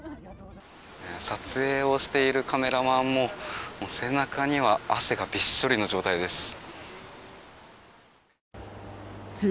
撮影をしているカメラマンも背中には汗がびっしょりの状態です。